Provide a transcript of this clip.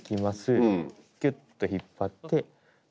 キュッと引っ張ってここで。